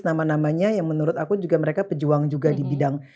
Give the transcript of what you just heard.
nama namanya yang menurut aku juga mereka pejuang juga di bidang